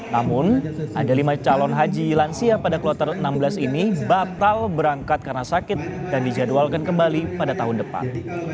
namun ada lima calon haji lansia pada kloter enam belas ini batal berangkat karena sakit dan dijadwalkan kembali pada tahun depan